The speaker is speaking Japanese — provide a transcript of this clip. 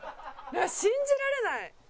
「信じられない！」